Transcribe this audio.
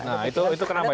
nah itu kenapa